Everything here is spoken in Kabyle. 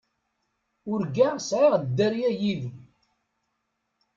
Urgaɣ sɛiɣ dderya yid-m.